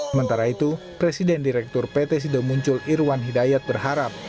sementara itu presiden direktur pt sido muncul irwan hidayat berharap